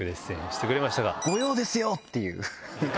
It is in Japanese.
御用ですよ！っていう。